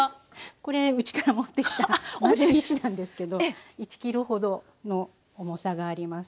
これうちから持ってきた丸い石なんですけど１ｋｇほどの重さがあります。